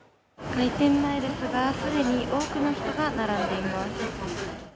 開店前ですが、既に多くの人が並んでいます。